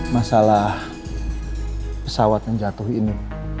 masalah pesawat yang jatuh ini